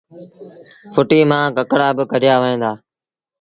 ڦُٽيٚ مآݩ ڪڪڙآ با ڪڍيآ وهيݩ دآ